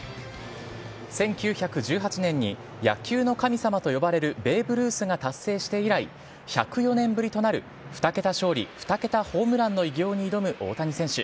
１９１８年に野球の神様と呼ばれるベーブ・ルースが達成して以来１０４年ぶりとなる２桁勝利、２桁ホームランの偉業に挑む大谷選手。